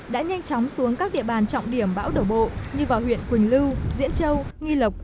đã nhanh chóng xuống các địa bàn trọng điểm bão đổ bộ như vào huyện quỳnh lưu diễn châu nghi lộc